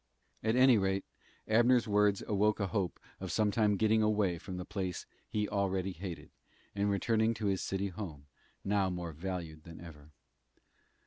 At any rate, Abner's words awoke a hope of sometime getting away from the place he already hated, and returning to his city home, now more valued than ever.